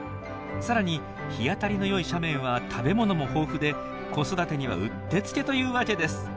さらに日当たりのよい斜面は食べ物も豊富で子育てにはうってつけというわけです。